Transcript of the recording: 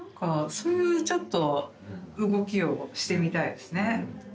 そういうちょっと動きをしてみたいですね。